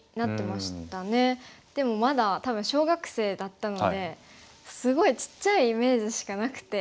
でもまだ小学生だったのですごいちっちゃいイメージしかなくて。